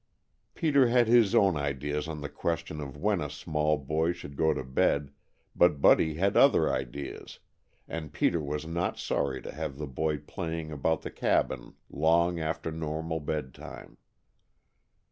Peter had his own ideas on the question of when a small boy should go to bed, but Buddy had other ideas, and Peter was not sorry to have the boy playing about the cabin long after normal bed time.